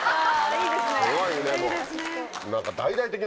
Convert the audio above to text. いいですね。